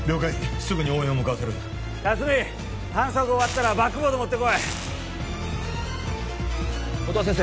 すぐに応援を向かわせる辰巳搬送が終わったらバックボード持ってこい音羽先生